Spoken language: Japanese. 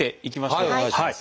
はいお願いします。